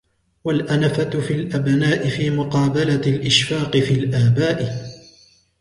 وَالْأَنَفَةُ فِي الْأَبْنَاءِ فِي مُقَابَلَةِ الْإِشْفَاقِ فِي الْآبَاءِ